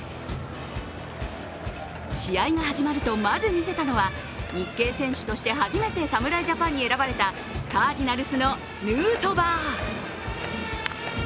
試合が始まるとまず見せたのは日系選手として初めて侍ジャパンに選ばれたカージナルスのヌートバー。